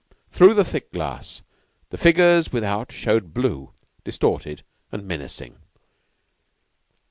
Through the thick glass the figures without showed blue, distorted, and menacing.